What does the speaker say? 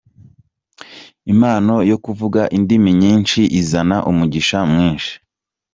Impano yo kuvuga indimi nyinshi izana umugisha mwinshi.